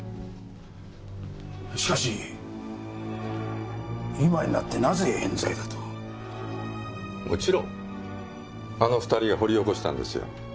しかし今になってなぜ冤罪だと。もちろんあの２人が掘り起こしたんですよ。